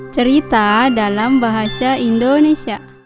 cerita dalam bahasa indonesia